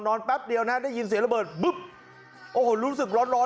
แป๊บเดียวนะได้ยินเสียงระเบิดปุ๊บโอ้โหรู้สึกร้อนร้อน